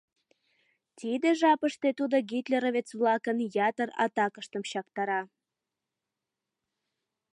Тиде жапыште тудо гитлеровец-влакын ятыр атакыштым чактара.